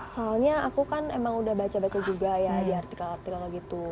soalnya aku kan emang udah baca baca juga ya di artikel artikel gitu